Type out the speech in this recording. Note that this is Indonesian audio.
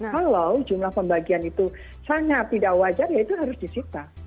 kalau jumlah pembagian itu sangat tidak wajar ya itu harus disita